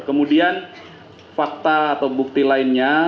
kemudian fakta atau bukti lainnya